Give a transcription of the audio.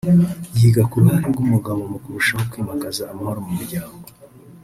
yiga ku ruhare rw’umugabo mu kurushaho kwimakaza amahoro mu muryango